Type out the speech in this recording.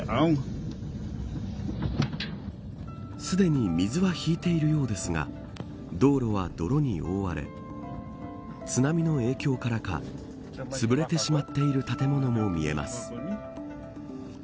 すでに水は引いているようですが道路は泥に覆われ津波の影響からかつぶれてしまっている建物も見えます。